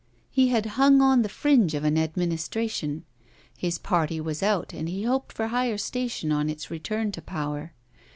He had hung on the fringe of an Administration. His party was out, and he hoped for higher station on its return to power.